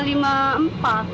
lebih murah ini